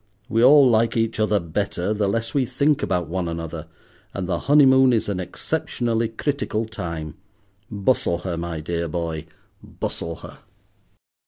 We all like each other better the less we think about one another, and the honeymoon is an exceptionally critical time. Bustle her, my dear boy, bustle her."